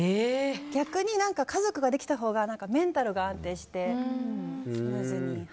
逆に家族ができたほうがメンタルが安定してスムーズに。